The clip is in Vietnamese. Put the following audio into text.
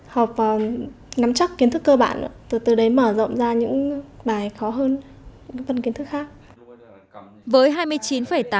học vào nắm chắc kiến thức cơ bản từ từ đấy mở rộng ra những bài khó hơn những vấn kiến thức khác